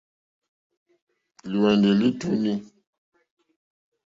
Lúwɛ̀ndì lítúnì.